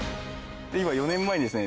今４年前にですね